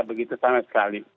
begitu sama sekali